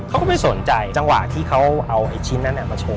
เขาก็ไม่สนใจจังหวะที่เขาเอาไอ้ชิ้นนั้นมาโชว